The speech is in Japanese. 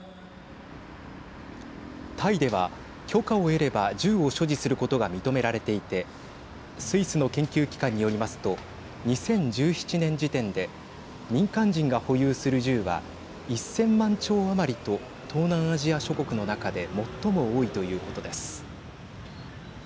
タイでは許可を得れば銃を所持することが認められていてスイスの研究機関によりますと２０１７年時点で民間人が保有する銃は１０００万丁余りと東南アジア諸国の中で最も多いということです。